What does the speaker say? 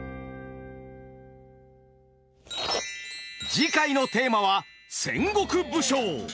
次回のテーマは戦国武将！